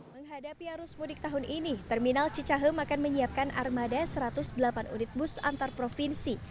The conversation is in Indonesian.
menghadapi arus mudik tahun ini terminal cicahem akan menyiapkan armada satu ratus delapan unit bus antar provinsi